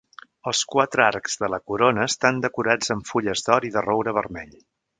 Els quatre arcs de la corona estan decorats amb fulles d'or i de roure vermell.